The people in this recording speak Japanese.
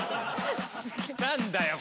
何だよ？